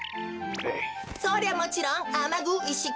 そりゃもちろんあまぐいっしき。